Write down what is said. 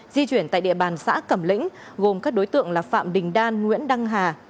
di chuyển tại địa bàn xã cẩm lĩnh gồm các đối tượng là phạm đình đan nguyễn đăng hà